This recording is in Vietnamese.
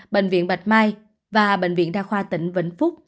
bệnh viện bạch mai và bệnh viện đa khoa tỉnh vĩnh phúc